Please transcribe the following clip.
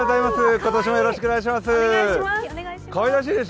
今年もよろしくお願いします。